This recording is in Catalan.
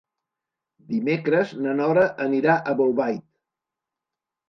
Dimecres na Nora anirà a Bolbait.